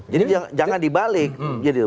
jadi jangan dibalik gitu